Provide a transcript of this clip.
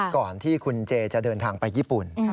ก่อนที่คุณเจจะเดินทางไปญี่ปุ่น